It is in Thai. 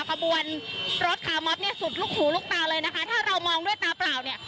ขบวนรถคาร์มอบเนี่ยสุดลูกหูลูกตาเลยนะคะถ้าเรามองด้วยตาเปล่าเนี่ย